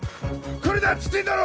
来るなっつってんだろ！